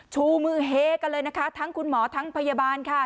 ชูมือเฮกันเลยนะคะทั้งคุณหมอทั้งพยาบาลค่ะ